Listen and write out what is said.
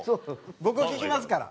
僕聞きますから。